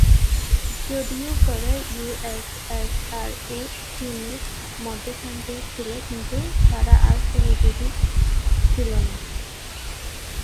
যদিও পরে, ইউএসএসআর ও চীনের মধ্যে শান্তি ছিল, কিন্তু তারা আর সহযোগী ছিল না।